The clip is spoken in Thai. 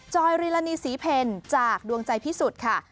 อยริลานีศรีเพลจากดวงใจพิสุทธิ์ค่ะ